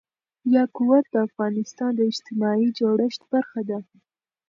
یاقوت د افغانستان د اجتماعي جوړښت برخه ده.